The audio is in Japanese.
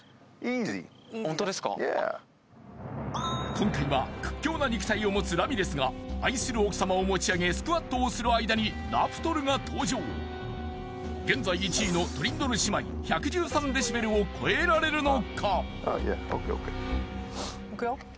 今回は屈強な肉体を持つラミレスが愛する奥様を持ち上げスクワットをする間にラプトルが登場現在１位のトリンドル姉妹ＯＫＯＫ